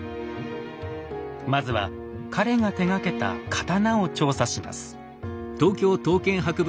まずは彼が手がけた刀を調査します。